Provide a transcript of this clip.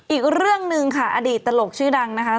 อีกเรื่องหนึ่งค่ะอดีตตลกชื่อดังนะคะ